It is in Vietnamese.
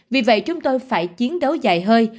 vì vậy chúng tôi phải chiến đấu dài hơi